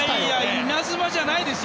イナズマじゃないですよ